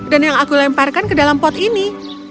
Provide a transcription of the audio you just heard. dan yang aku lemparkan ke dalam pot ini